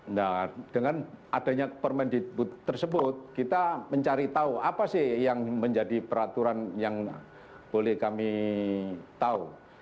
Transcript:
nah dengan adanya permendikbud tersebut kita mencari tahu apa sih yang menjadi peraturan yang boleh kami tahu